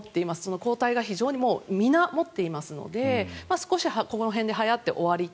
抗体が非常にみんな持っていますので少しこの辺ではやって終わりと。